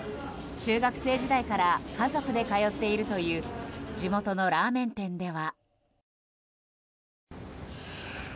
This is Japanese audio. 中学生時代から家族で通っているという地元のラーメン店では。